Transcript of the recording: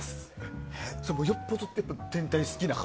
よっぽど天体好きな方？